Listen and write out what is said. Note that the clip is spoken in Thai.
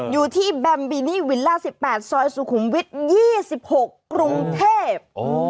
อยู่ที่แบมบีนี่วิลล่า๑๘ซอยสุขุมวิทย์๒๖กรุงเทพ